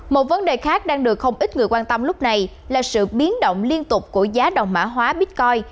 một vấn đề khác đang được không ít người quan tâm lúc này là sự biến động liên tục của giá đồng mã hóa bitcoin